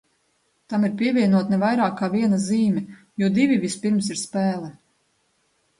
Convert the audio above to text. Tam ir pievienota ne vairāk kā viena zīme, jo divi vispirms ir spēle.